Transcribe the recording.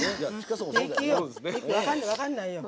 分からない。